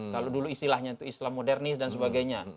kalau dulu istilahnya itu islam modernis dan sebagainya